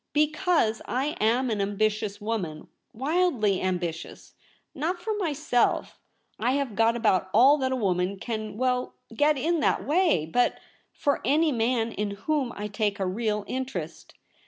Because I am an ambi tious woman — wildly ambitious — not for my self : I have got about all that a woman can well get in that way — but for any man in whom I take a real interest.